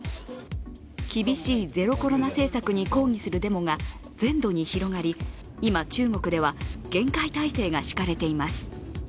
厳しいゼロコロナ政策に抗議するデモが全土に広がり今、中国では厳戒態勢が敷かれています。